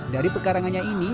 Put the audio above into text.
dari pekarangannya ini